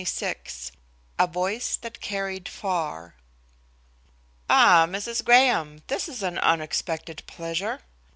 XXVI A VOICE THAT CARRIED FAR "Ah! Mrs. Graham, this is an unexpected pleasure."